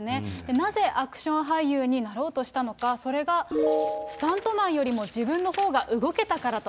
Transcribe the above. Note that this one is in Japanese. なぜアクション俳優になろうとしたのか、それがスタントマンよりも自分のほうが動けたからと。